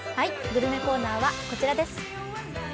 グルメコーナーはこちらです。